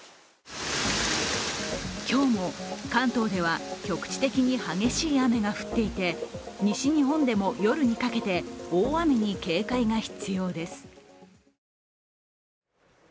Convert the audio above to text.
今日も関東では局地的に激しい雨が降っていて西日本でも夜にかけて大雨に警戒が必要です。